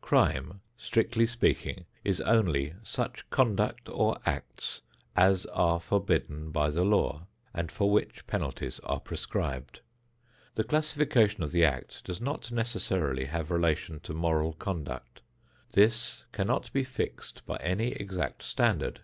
Crime, strictly speaking, is only such conduct or acts as are forbidden by the law and for which penalties are prescribed. The classification of the act does not necessarily have relation to moral conduct. This cannot be fixed by any exact standard.